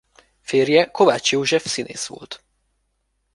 Férje Kovács József színész volt.